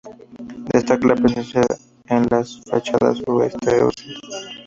Destaca la presencia en las fachadas este y oeste.